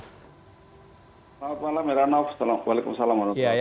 selamat malam iranoff assalamualaikum assalamualaikum